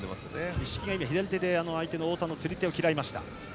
一色が左手で太田の釣り手を嫌っていました。